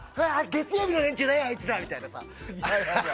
月曜日の連中だよ、あいつら！みたいなさ。